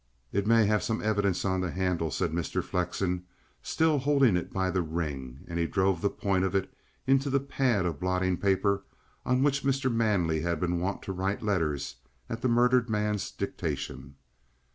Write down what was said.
"It may have some evidence on the handle," said Mr. Flexen, still holding it by the ring, and he drove the point of it into the pad of blotting paper on which Mr. Manley had been wont to write letters at the murdered man's dictation.